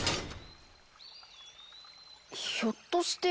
ひょっとして。